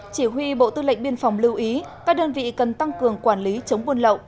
chỉ huy bộ tư lệnh biên phòng lưu ý các đơn vị cần tăng cường quản lý chống buôn lậu